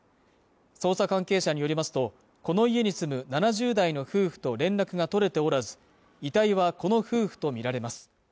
捜査関係者によりますとこの家に住む７０代の夫婦と連絡が取れておらず遺体はこの夫婦と見られます